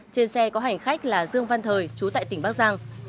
trên xe có hành khách là dương văn thời chú tại tỉnh bắc giang